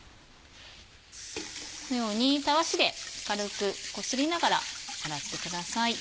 このようにたわしで軽くこすりながら洗ってください。